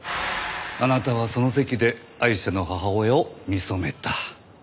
あなたはその席でアイシャの母親を見初めた。